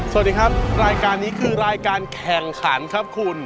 สวัสดีครับรายการนี้คือรายการแข่งขันครับคุณ